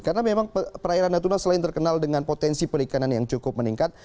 karena memang perairan natuna selain terkenal dengan potensi perikanan yang cukup meningkat